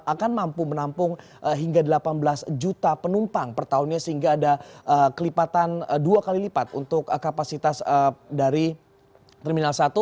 akan mampu menampung hingga delapan belas juta penumpang per tahunnya sehingga ada kelipatan dua kali lipat untuk kapasitas dari terminal satu